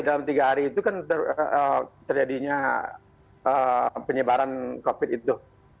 dalam tiga hari itu kan terjadinya penyebaran covid itu